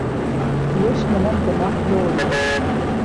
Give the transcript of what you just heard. Йәш менән гонаһ йыуылмай.